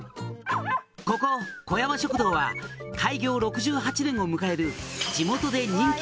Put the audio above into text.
「ここ小山食堂は開業６８年を迎える」